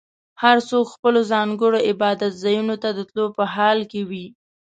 هر څوک خپلو ځانګړو عبادت ځایونو ته د تلو په حال کې وي.